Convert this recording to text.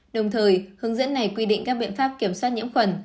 đồng thời hướng dẫn này quy định các biện pháp kiểm soát nhiễm khuẩn